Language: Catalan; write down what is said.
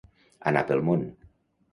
Anar pel món.